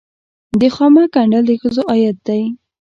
د خامک ګنډل د ښځو عاید دی